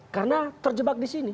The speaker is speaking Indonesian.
karena terjebak di sini